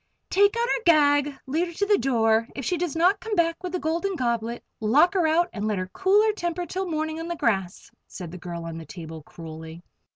"Take out her gag. Lead her to the door. If she does not come back with the Golden Goblet, lock her out and let her cool her temper till morning on the grass," said the girl on the table, cruelly.